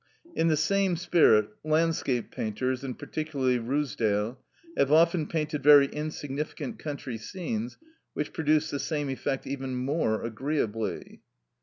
In the same spirit, landscape painters, and particularly Ruisdael, have often painted very insignificant country scenes, which produce the same effect even more agreeably.